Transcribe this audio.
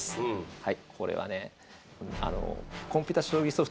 はい。